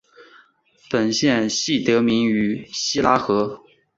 本县系得名于希拉河。